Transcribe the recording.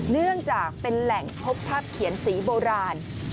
เนื่องจากเป็นแหล่งพบภาพเขียนสีโบราณ